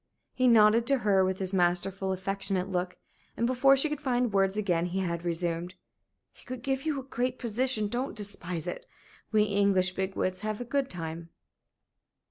He nodded to her with his masterful, affectionate look. And before she could find words again he had resumed. "He could give you a great position. Don't despise it. We English big wigs have a good time."